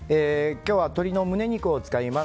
今日は鶏の胸肉を使います。